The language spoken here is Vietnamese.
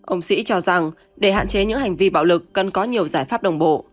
ông sĩ cho rằng để hạn chế những hành vi bạo lực cần có nhiều giải pháp đồng bộ